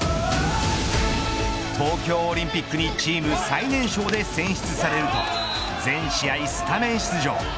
東京オリンピックにチーム最年少で選出されると全試合スタメン出場。